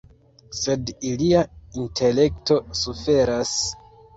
Sed ilia intelekto suferas.